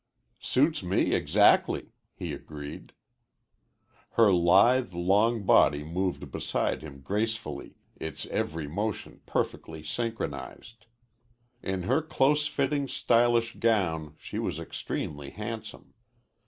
"Suits me exactly," he agreed. Her lithe, long body moved beside him gracefully, its every motion perfectly synchronized. In her close fitting, stylish gown she was extremely handsome.